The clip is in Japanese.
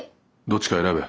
どっちか選べ。